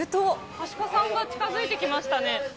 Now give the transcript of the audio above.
アシカさんが近づいてきましたね。